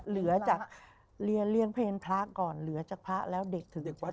เหลือจากเรียนเลี้ยงเพลงพระก่อนเหลือจากพระแล้วเด็กถึงวัด